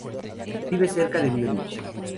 Vive cerca de Munich.